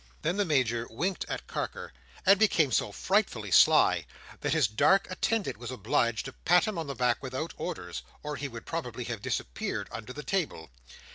Then the Major winked at Carker, and became so frightfully sly, that his dark attendant was obliged to pat him on the back, without orders, or he would probably have disappeared under the table.